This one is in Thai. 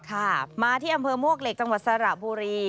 ค่ะมาที่อำเภอมวกเหล็กจังหวัดสระบุรี